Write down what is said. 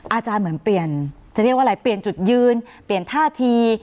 อาจารย์เหมือนเปลี่ยนจะเรียกว่าอะไรเปลี่ยนจุดยืนเปลี่ยนท่าที